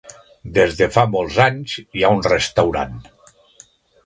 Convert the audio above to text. Des de fa molts anys hi ha un restaurant.